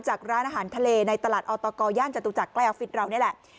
ร้านอาหารทะเลในตลาดออตกย่านจตุจักรใกล้ออฟฟิศเรานี่แหละ